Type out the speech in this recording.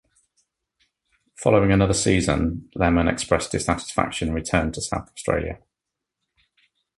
Following another season, Lehmann expressed dissatisfaction, and returned to South Australia.